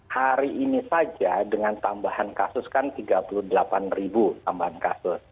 hari ini saja dengan tambahan kasus kan tiga puluh delapan ribu tambahan kasus